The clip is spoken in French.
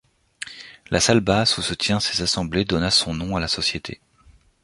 La salle basse où se tient ses assemblées donna son nom à la société.